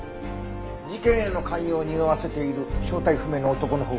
事件への関与をにおわせている正体不明の男のほうは？